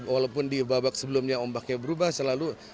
walaupun di babak sebelumnya ombaknya berubah selalu